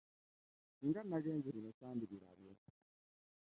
Singa nagenze bino sandibirabye.